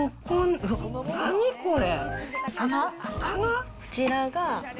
こちらが。